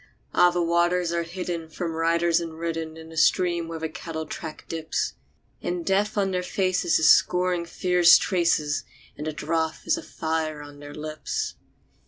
Ah! the waters are hidden from riders and ridden In a stream where the cattle track dips; And Death on their faces is scoring fierce traces, And the drouth is a fire on their lips.